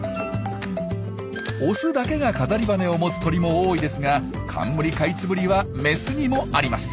オスだけが飾り羽を持つ鳥も多いですがカンムリカイツブリはメスにもあります。